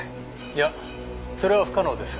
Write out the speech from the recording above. いやそれは不可能です。